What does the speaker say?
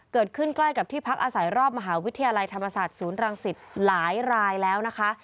ใกล้กับที่พักอาศัยรอบมหาวิทยาลัยธรรมศาสตร์ศูนย์รังสิตหลายรายแล้วนะคะ